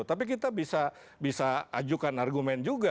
tapi kita bisa ajukan argumen juga